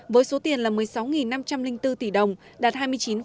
với số tiền là một mươi sáu năm trăm linh bốn tỷ đồng đạt hai mươi chín sáu mươi bảy